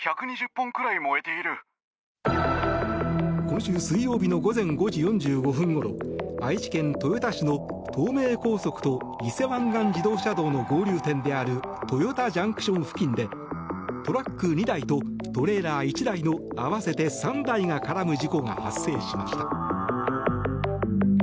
今週水曜日の午前５時４５分ごろ愛知県豊田市の東名高速と伊勢湾岸自動車道の合流点である豊田ＪＣＴ付近でトラック２台とトレーラー１台の合わせて３台が絡む事故が発生しました。